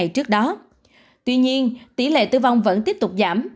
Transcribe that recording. tuy nhiên tỷ lệ tử vong vẫn tiếp tục giảm